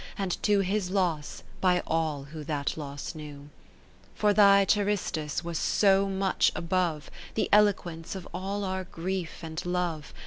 And to his loss, by all who that loss knew ; For thy Charistus was so much above 'I'he eloquence of all our grief and love.